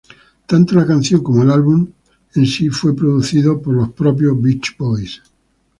Tanto la canción como el álbum en sí fue producido por The Beach Boys.